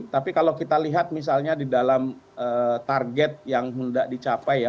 tapi kalau kita lihat misalnya di dalam target yang tidak dicapai ya